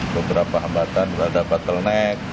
beberapa hambatan berada patelnek